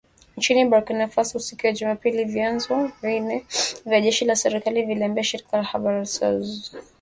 Nchini Burkina Faso siku ya Jumapili vyanzo vine vya jeshi la serikali vililiambia shirika la habari la Reuters